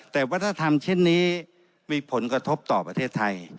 แต่วัฒนธรรมเช่นนี้มีผลกระทบต่อประเทศไทย